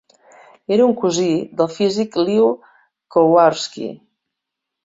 Era un cosí del físic Lew Kowarski.